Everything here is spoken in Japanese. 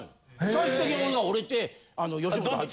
最終的に俺が折れて吉本入った。